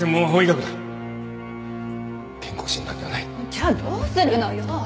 じゃあどうするのよ？